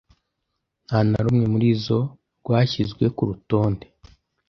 Nta na rumwe muri izo rwashyizwe ku rutonde